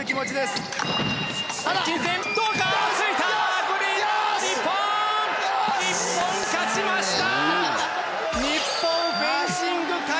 よし‼日本勝ちました‼